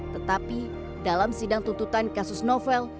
tetapi dalam sidang tuntutan kasus novel